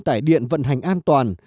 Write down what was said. tài điện vận hành an toàn